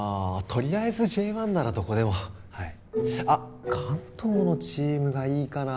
とりあえずＪ１ならどこでもはいあ関東のチームがいいかな